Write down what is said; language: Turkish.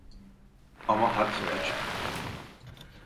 Ama hat açık